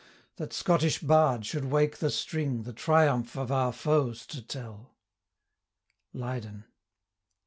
That Scottish Bard should wake the string, The triumph of our foes to tell! LEYDEN.